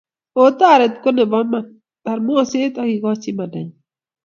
Otore ko nebo iman bar moset akikochi imandanyi